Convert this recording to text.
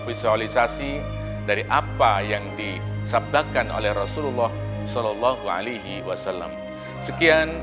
visualisasi dari apa yang disabdakan oleh rasulullah shallallahu alaihi wasallam sekian